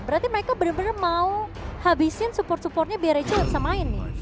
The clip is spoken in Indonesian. berarti mereka benar benar mau habisin support supportnya biar rachel bisa main nih